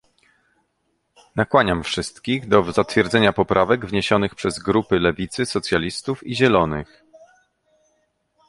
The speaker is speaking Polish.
Nakłaniam wszystkich do zatwierdzenia poprawek wniesionych przez grupy lewicy, socjalistów i zielonych